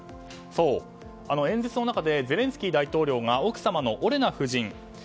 そう、演説の中でゼレンスキー大統領が奥様のオレナ夫人